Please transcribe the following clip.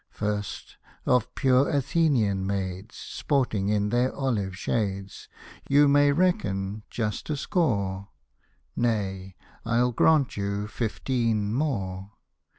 First, of pure Athenian maids Sporting in their olive shades, You may reckon just a score. Nay, ril grant you fifteen more.